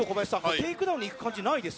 テイクダウンに行く感じないです。